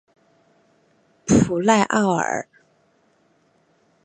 普赖奥尔。